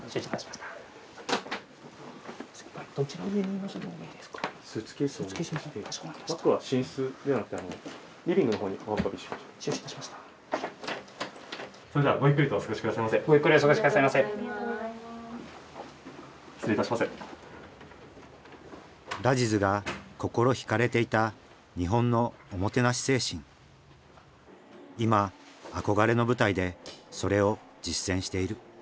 今憧れの舞台でそれを実践している。